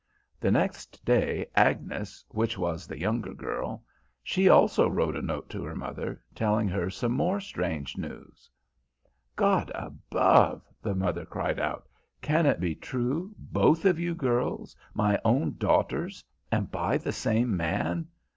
The next day Agnes, which was the younger girl, she also wrote a note to her mother telling her some more strange news: "'God above!' the mother cried out, 'can it be true, both of you girls, my own daughters, and by the same man!